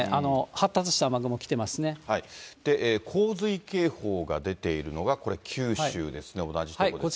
発達した雨雲、洪水警報が出ているのが、これ、九州ですね、同じ所ですね。